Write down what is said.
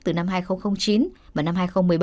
từ năm hai nghìn chín và năm hai nghìn một mươi bảy